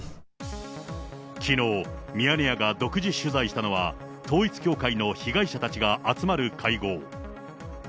きのう、ミヤネ屋が独自取材したのは、統一教会の被害者たちが集まる会合。